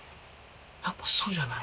やっぱそうじゃない？